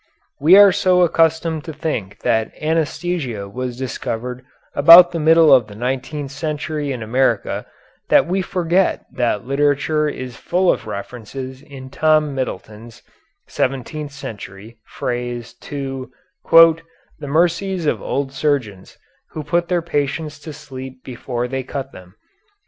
We are so accustomed to think that anæsthesia was discovered about the middle of the nineteenth century in America that we forget that literature is full of references in Tom Middleton's (seventeenth century) phrase to "the mercies of old surgeons who put their patients to sleep before they cut them."